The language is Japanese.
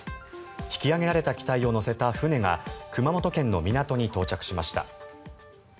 引き揚げられた機体を載せた船が熊本県の港に到着しました。